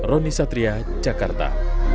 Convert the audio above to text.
roni satria jakarta